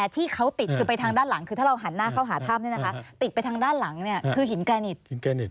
ติดไปทางด้านหลังเนี่ยคือหินแกนิด